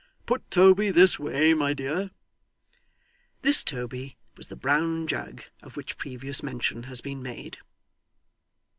Put Toby this way, my dear.' This Toby was the brown jug of which previous mention has been made.